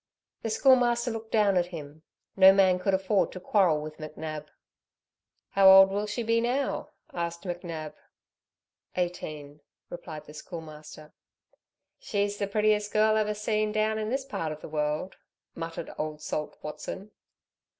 The Schoolmaster looked down at him. No man could afford to quarrel with McNab. "How old will she be now?" asked McNab. "Eighteen," replied the Schoolmaster. "She's the prettiest girl ever seen down this part of the world," muttered old Salt Watson.